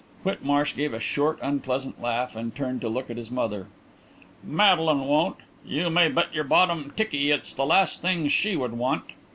Whitmarsh gave a short, unpleasant laugh and turned to look at his mother. "Madeline won't. You may bet your bottom tikkie it's the last thing she would want."